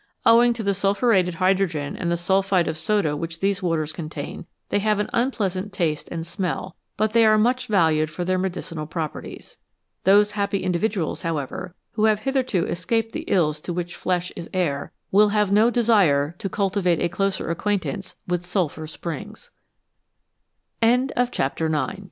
Owing to the sulphuretted hydrogen and the sulphide of soda which these waters contain, they have an unpleasant taste and smell, but they are much valued for their medicinal properties. Those happy individuals, however, who have hitherto escaped the ills to which flesh is heir, will have no desire to cultivate a